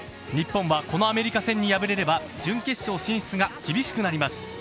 日本はこのアメリカ戦に敗れれば準決勝進出が厳しくなります。